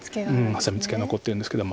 ハサミツケが残ってるんですけど。